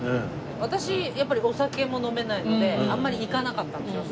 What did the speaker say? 私やっぱりお酒も飲めないのであんまり行かなかったんですよ。